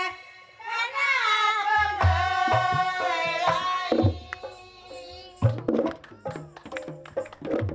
lai malasera tanah membelai